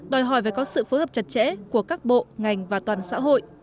đòi hỏi phải có sự phối hợp chặt chẽ của các bộ ngành và toàn xã hội